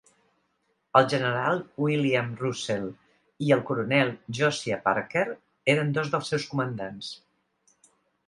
El general William Russell i el coronel Josiah Parker eren dos dels seus comandants.